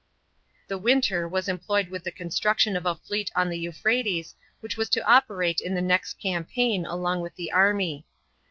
§ 13. The winter was employed with the construction of a fleet on the Euphrates, which was to operate in the next campaign along with the army.